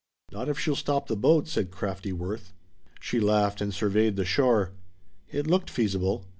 "Not if she'll stop the boat," said crafty Worth. She laughed and surveyed the shore. It looked feasible.